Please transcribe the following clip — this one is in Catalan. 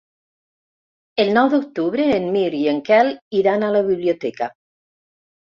El nou d'octubre en Mirt i en Quel iran a la biblioteca.